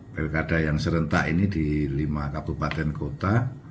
pilkada yang serentak ini di lima kabupaten kota